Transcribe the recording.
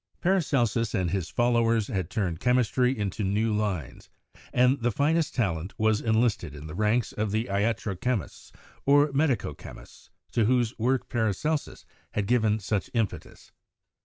Paracelsus and his followers had turned chemistry into new Lines, and the finest talent was enlisted in the ranks of the iatro chemists, or medico chemists, to whose work Paracelsus had given such impetus.